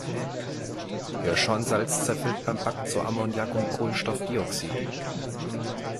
Hirschhornsalz zerfällt beim Backen zu Ammoniak und Kohlenstoffdioxid.